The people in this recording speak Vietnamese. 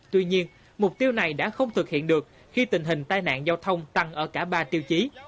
tuy nhiên mục tiêu này đã không thực hiện được khi tình hình tai nạn giao thông tăng ở cả ba tiêu chí